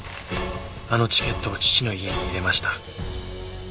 あのチケットを父の家に入れました。